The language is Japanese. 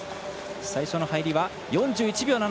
最初の入りは４１秒７７。